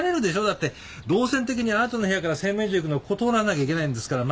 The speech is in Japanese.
だって動線的にあなたの部屋から洗面所行くのここ通らなきゃいけないんですから。